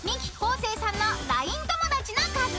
生さんのＬＩＮＥ友だちの数は？］